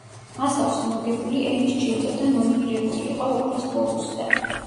მას აქვს მოგებული ემის ჯილდო და ნომინირებული იყო ოქროს გლობუსზე.